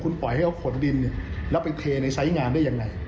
ปล่อยให้เขาขนดินแล้วไปเทในไซส์งานได้ยังไง